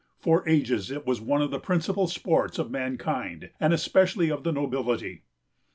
For ages it was one of the principal sports of mankind and especially of the nobility.